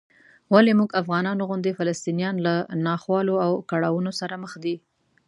ولې موږ افغانانو غوندې فلسطینیان له ناخوالو او کړاوونو سره مخ دي؟